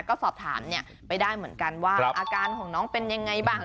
ก็สอบถามไปได้เหมือนกันว่าอาการของน้องเป็นยังไงบ้าง